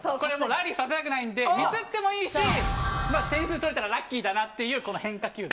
ラリーさせたくないのでミスってもいいし点数取れたらラッキーだという変化球を。